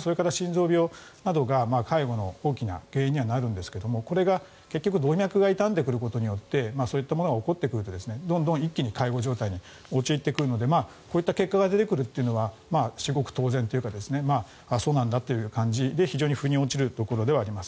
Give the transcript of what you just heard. それから心臓病などが介護の大きな原因にはなるんですがこれが結局動脈が傷んでくることによってそういったものが起こってくると一気に介護状態に陥ってくるのでこういった結果が出てくるというのは至極当然というかそうなんだという感じで、非常に腑に落ちるところではあります。